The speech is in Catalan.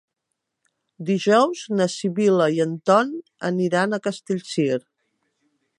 Dijous na Sibil·la i en Ton aniran a Castellcir.